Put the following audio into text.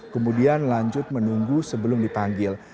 kemudian lanjut menunggu sebelum dipanggil